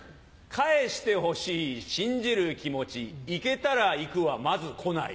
返してほしい信じる気持ち行けたら行くはまず来ない。